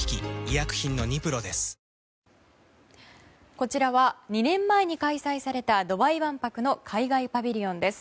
こちらは２年前に開催されたドバイ万博の海外パビリオンです。